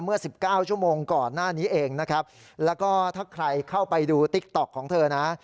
สิบเก้าชั่วโมงก่อนหน้านี้เองนะครับแล้วก็ถ้าใครเข้าไปดูติ๊กต๊อกของเธอนะ